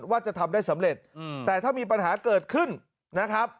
ว่าจะทำได้สำเร็จแต่ถ้ามีปัญหาเกิดขึ้นนะครับ